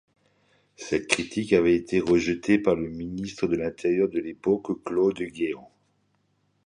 Cette critique avait été rejetée par le ministre de l’Intérieur de l’époque Claude Guéant.